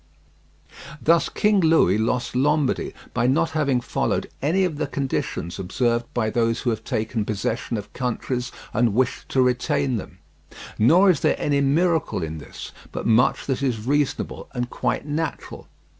Thus King Louis lost Lombardy by not having followed any of the conditions observed by those who have taken possession of countries and wished to retain them. Nor is there any miracle in this, but much that is reasonable and quite natural.